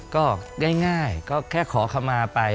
ก็ง่ายก็แค่ขอคำมาไป